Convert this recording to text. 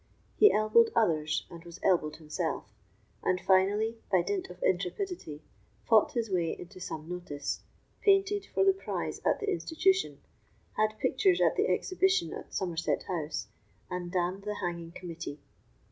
He elbowed others, and was elbowed himself; and finally, by dint of intrepidity, fought his way into some notice, painted for the prize at the Institution, had pictures at the exhibition at Somerset House, and damned the hanging committee.